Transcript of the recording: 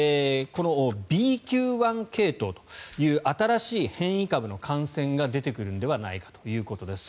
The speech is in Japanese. ＢＱ．１系統という新しい変異株の感染が出てくるのではないことです。